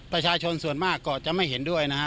ประชาชนส่วนมากก็จะไม่เห็นด้วยนะฮะ